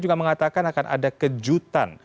juga mengatakan akan ada kejutan